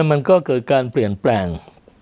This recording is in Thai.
มันก็เกิดการเปลี่ยนแปลง